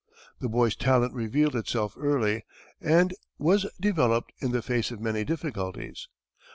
The boy's talent revealed itself early, and was developed in the face of many difficulties.